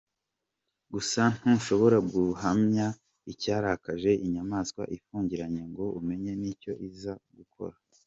Gusa ntushobora guhamya icyarakaje inyamaswa ifungiranye ngo umenye n’icyo iza gukora.